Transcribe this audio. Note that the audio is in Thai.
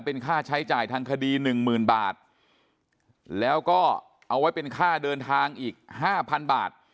เป็นค่าใช้จ่ายทางคดี๑๐๐๐๐บาทแล้วก็เอาไว้เป็นค่าเดินทางอีก๕๐๐๐บาท